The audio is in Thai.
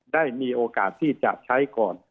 ได้มีโอกาสที่จะใช้ก่อน